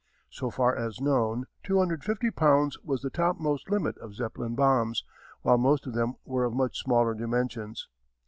So far as known 250 pounds was the topmost limit of Zeppelin bombs, while most of them were of much smaller dimensions.